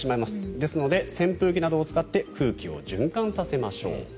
ですので、扇風機などを使って空気を循環させましょう。